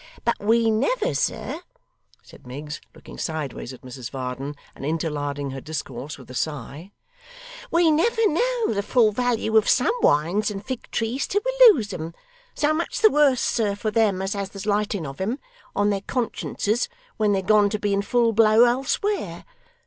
But we never, sir' said Miggs, looking sideways at Mrs Varden, and interlarding her discourse with a sigh 'we never know the full value of SOME wines and fig trees till we lose 'em. So much the worse, sir, for them as has the slighting of 'em on their consciences when they're gone to be in full blow elsewhere.